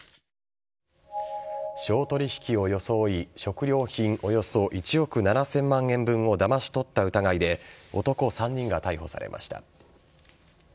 商取引を装い、食料品およそ１億７０００万円分をだまし取った疑いで男３人が逮捕されました。